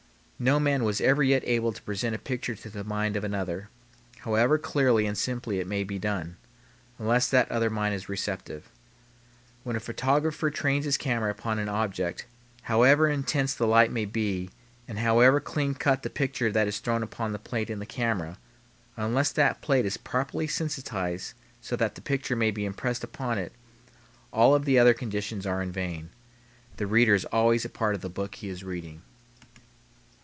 No man was ever yet able to present a picture to the mind of another, however clearly and simply it may be done, unless that other mind is receptive. When a photographer trains his camera upon an object, however intense the light may be and however clean cut the picture that is thrown upon the plate in the camera, unless that plate is properly sensitized so that the picture may be impressed upon it, all of the other conditions are in vain. The reader is always a part of the book he is reading.